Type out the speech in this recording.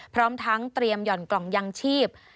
พร้อมทั้งเตรียมหย่อนกล่องยางชีพ